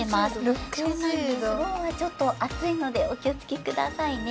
ろうはちょっとあついのでおきをつけくださいね。